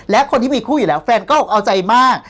และคนที่มีคู่อยู่แล้วแฟนก็เอาใจมาก